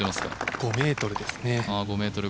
５ｍですね。